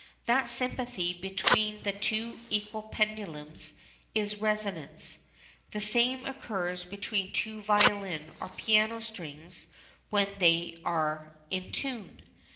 That sympathy between the two equal pendulums is "resonance." The same occurs between two violin or piano strings when they are "in tune."